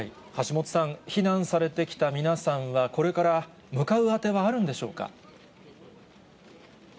橋本さん、避難されてきた皆さんは、これから向かう当てはあるんでしょうか。